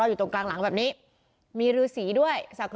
อุทธิวัฒน์อิสธิวัฒน์